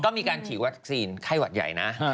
ก็มีการฉีดวัคซีนไข้หวัดใหญ่นะ